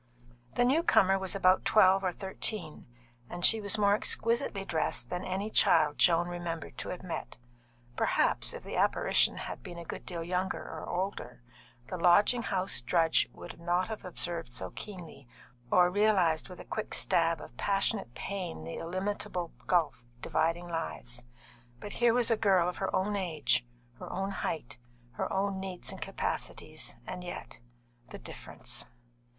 The new comer was about twelve or thirteen, and she was more exquisitely dressed than any child Joan remembered to have met. Perhaps, if the apparition had been a good deal younger or older, the lodging house drudge would not have observed so keenly, or realised with a quick stab of passionate pain the illimitable gulf dividing lives. But here was a girl of her own age, her own height, her own needs and capacities, and yet the difference!